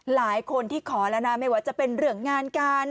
หลายคนที่ขอแล้วนะไม่ว่าจะเป็นเรื่องงานการ